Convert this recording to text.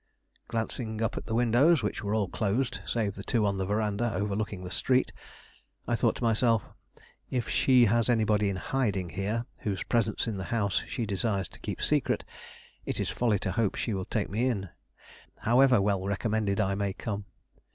Glancing up at the windows, which were all closed save the two on the veranda overlooking the street, I thought to myself, "If she has anybody in hiding here, whose presence in the house she desires to keep secret, it is folly to hope she will take me in, however well recommended I may come."